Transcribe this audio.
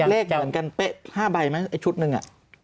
เลขเหมือนกัน๕ใบไหมไอ้ชุดนึง